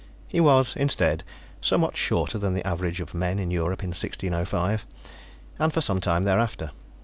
He was, instead, somewhat shorter than the average of men in Europe in 1605 and for some time thereafter.